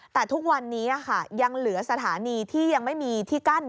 แต่ทุกวันนี้ยังเหลือสถานีที่ยังไม่มีที่กั้น